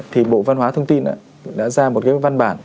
thì bộ văn hóa thông tin đã ra một cái văn bản